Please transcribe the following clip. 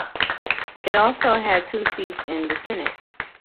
It also had two seats in the Senate.